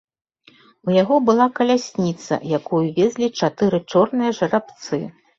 У яго была калясніца, якую везлі чатыры чорныя жарабцы.